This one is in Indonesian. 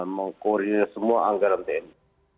mengkoordinasi semua anggaran tni